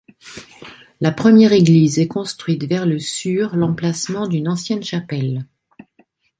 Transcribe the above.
La première église est construite vers le sur l'emplacement d'une ancienne chapelle.